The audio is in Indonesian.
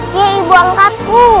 dia ibu angkatku